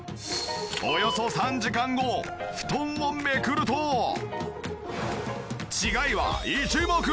およそ３時間後布団をめくると違いは一目瞭然！